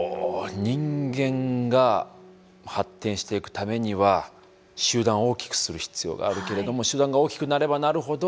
人間が発展していくためには集団を大きくする必要があるけれども集団が大きくなればなるほど滅亡のリスクも高まるし